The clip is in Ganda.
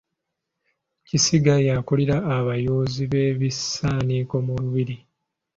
Kisiga y'akulira abayoozi b’ebisaaniiko mu Lubiri.